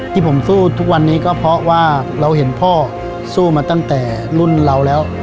ที่ผมสู้ทุกวันนี้ก็เพราะว่าเราเห็นพ่อสู้มาตั้งแต่รุ่นเราแล้ว